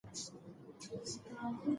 موږ غواړو چې د غره سر ته وخېژو.